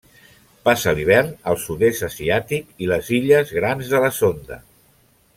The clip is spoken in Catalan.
Passa l'hivern al Sud-est asiàtic i les illes Grans de la Sonda.